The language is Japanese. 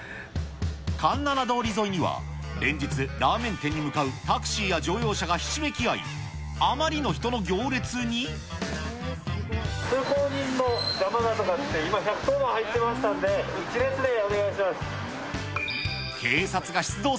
環七通り沿いには、連日、ラーメン店に向かうタクシーや乗用車がひしめき合い、あまりの人通行人の邪魔だとかって、今１１０番入ってましたんで、１列でお願いします。